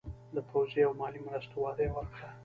د پوځي او مالي مرستو وعده یې ورکړه.